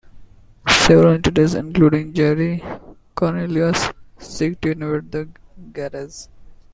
Several entities, including Jerry Cornelius, seek to invade the garage.